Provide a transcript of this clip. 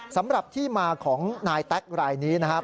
สำหรับที่มาของนายแต๊กรายนี้นะครับ